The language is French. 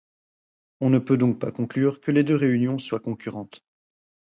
On ne peut donc pas conclure que les deux réunions soient concurrentes.